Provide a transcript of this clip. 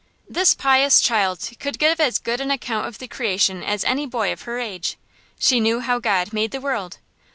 This pious child could give as good an account of the Creation as any boy of her age. She knew how God made the world.